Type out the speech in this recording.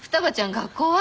学校は？